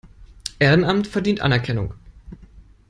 Ehrenamt verdient Anerkennung.